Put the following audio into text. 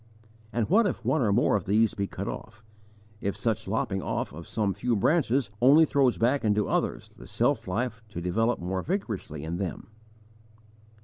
And what if one or more of these be cut off, if such lopping off of some few branches only throws back into others the self life to develop more vigorously in them?